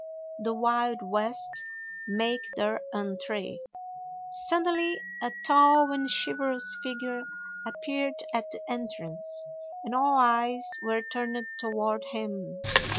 THE WILD WEST MAKE THEIR ENTRÉE. Suddenly a tall and chivalrous figure appeared at the entrance, and all eyes were turned toward him.